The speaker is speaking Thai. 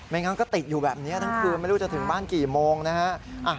งั้นก็ติดอยู่แบบนี้ทั้งคืนไม่รู้จะถึงบ้านกี่โมงนะฮะ